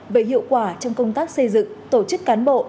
về hiệu quả trong công tác xây dựng tổ chức cán bộ